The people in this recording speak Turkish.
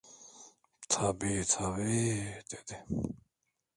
"Tabii, tabii" dedi.